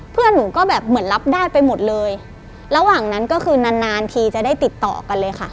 เพื่อนหนูก็แบบเหมือนรับได้ไปหมดเลยระหว่างนั้นก็คือนานนานทีจะได้ติดต่อกันเลยค่ะ